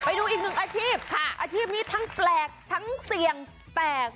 ไปดูอีกหนึ่งอาชีพค่ะอาชีพนี้ทั้งแปลกทั้งเสี่ยงแตก